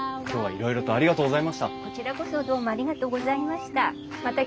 いろいろありがとうございました。